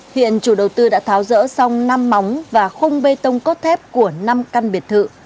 hiện chủ đầu tư đã tháo rỡ xong năm móng và khung bê tông cốt thép của năm căn biệt thự